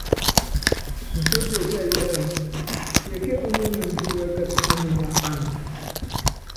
Nsétie kɛ́ɛ́yí ɛɛ: Tiɛkíɛ ómóniondó kuɛ́kɛtɛ ánuya anɛ ?